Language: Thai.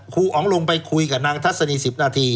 อ๋องลงไปคุยกับนางทัศนี๑๐นาที